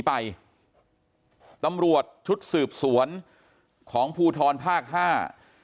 กลุ่มตัวเชียงใหม่